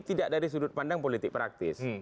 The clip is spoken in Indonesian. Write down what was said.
tidak dari sudut pandang politik praktis